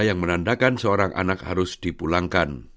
yang menandakan seorang anak harus dipulangkan